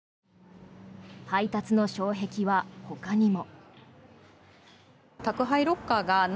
配達の障壁は、ほかにも。